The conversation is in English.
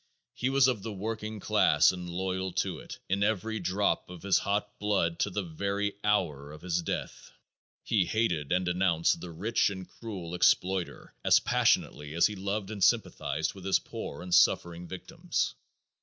He was of the working class and loyal to it in every drop of his hot blood to the very hour of his death. He hated and denounced the rich and cruel exploiter as passionately as he loved and sympathized with his poor and suffering victims.